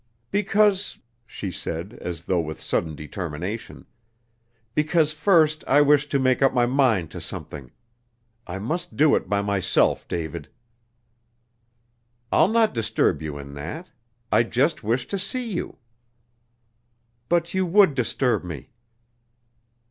"Because," she said, as though with sudden determination, "because first I wish to make up my mind to something. I must do it by myself, David." "I'll not disturb you in that. I just wish to see you." "But you would disturb me."